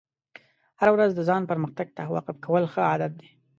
هره ورځ د ځان پرمختګ ته وقف کول ښه عادت دی.